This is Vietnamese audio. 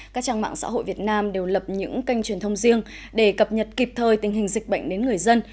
các trang mạng xã hội việt nam đều lập những kênh truyền thông riêng để cập nhật kịp thời tình hình dịch bệnh đến người dân